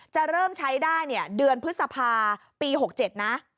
จะเริ่มใช้ได้เดือนพฤษภาปี๖๗นะ